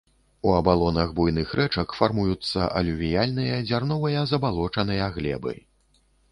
У абалонах буйных рэчак фармуюцца алювіяльныя дзярновыя забалочаныя глебы.